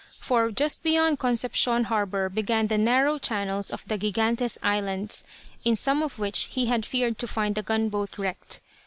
For just beyond Concepcion harbour began the narrow channels of the Gigantes Islands, in some of which he had feared to find the gunboat wrecked.